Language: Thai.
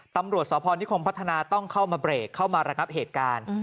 ตำรวจสพนิคมพัฒนาต้องเข้ามาเบรกเข้ามาระงับเหตุการณ์